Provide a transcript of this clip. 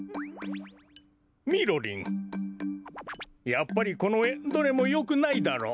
やっぱりこのえどれもよくないだろう。